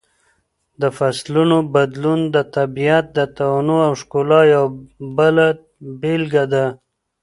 د فصلونو بدلون د طبیعت د تنوع او ښکلا یوه بله بېلګه ده.